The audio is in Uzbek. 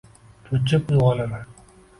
Cho’chib uyg’onaman